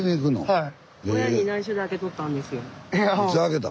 はい。